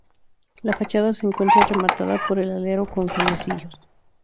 La fachada se encuentra rematada por el alero con canecillos.